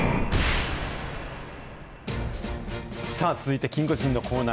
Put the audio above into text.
さあ、続いて、キンゴジンのコーナー。